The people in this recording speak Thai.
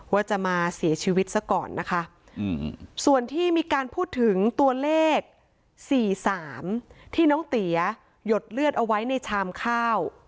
ว่าจะมาเสียชีวิตซะก่อนนะคะส่วนที่มีการพูดถึงตัวเลข๔๓ที่น้องเตี๋ยหยดเลือดเอาไว้ในชามข้าว